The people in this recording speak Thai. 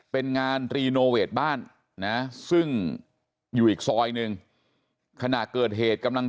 เป็นงานรีโนเวทบ้านนะซึ่งอยู่อีกซอยหนึ่งขณะเกิดเหตุกำลัง